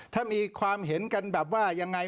ถ้ามีความเห็นกันแบบว่ายังไง